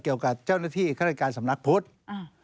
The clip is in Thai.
เกี่ยวกับเจ้าหน้าที่ครรภการซำนักพุทธ